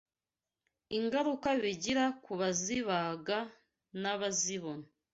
ingaruka bigira ku bazibaga n’abazibona